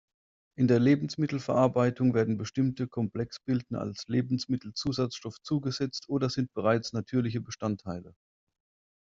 In der Lebensmittelverarbeitung werden bestimmte Komplexbildner als Lebensmittelzusatzstoff zugesetzt oder sind bereits natürliche Bestandteile.